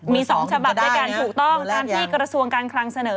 มี๒ฉบับด้วยกันถูกต้องตามที่กระทรวงการคลังเสนอ